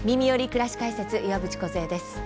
くらし解説」岩渕梢です。